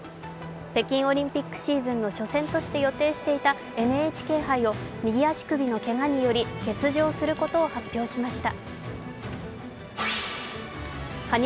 北京オリンピックシーズンの初戦として予定していたＮＨＫ杯を右足首のけがにより欠場することを発表しました。